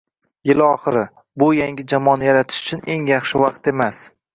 Yil oxiri - bu yangi jamoani yaratish uchun eng yaxshi vaqt emas